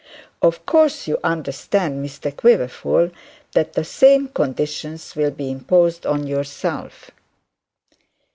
Of course, you understand, Mr Quiverful, that the same conditions will be imposed on yourself.'